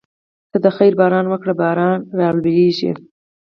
ته د خیر باران وکړې باران راولېږه.